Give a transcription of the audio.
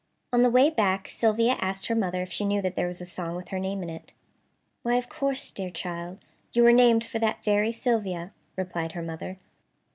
On the way back Sylvia asked her mother if she knew that there was a song with her name in it. "Why, of course, dear child. You were named for that very Sylvia," replied her mother.